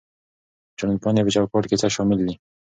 د ټولنپوهنې په چوکاټ کې څه شامل دي؟